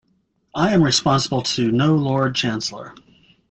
I am responsible to no Lord Chancellor.